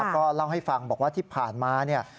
ลองให้ฟังว่าที่ผ่านมา